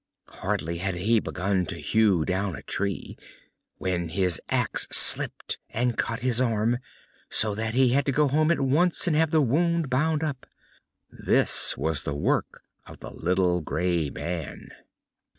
Hardly had he begun to hew down a tree, when his axe slipped and cut his arm, so that he had to go home at once and have the wound bound up. This was the work of the little grey man.